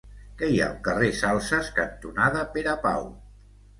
Què hi ha al carrer Salses cantonada Pere Pau?